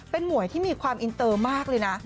เป็นหวยที่มีความอินเตอร์มากเลยนะ